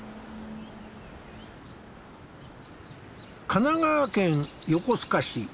神奈川県横須賀市。